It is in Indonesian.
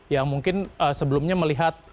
yang mungkin sebelumnya melihat